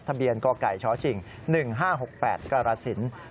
ทะเบียนกไก่ชชิง๑๕๖๘กรสิน